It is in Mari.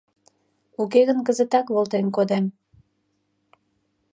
Уке гын кызытак волтен кодем!